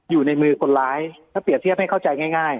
อยู่ในมือคนร้ายถ้าเปรียบเทียบให้เข้าใจง่าย